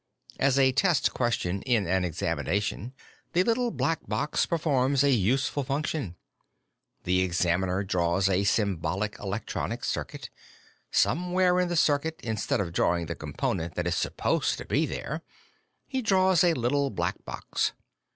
As a test question in an examination, the Little Black Box performs a useful function. The examiner draws a symbolic electronic circuit. Somewhere in the circuit, instead of drawing the component that is supposed to be there, he draws a Little Black Box.